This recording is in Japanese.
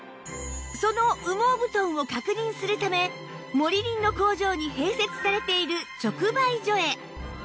その羽毛布団を確認するためモリリンの工場に併設されている直売所へ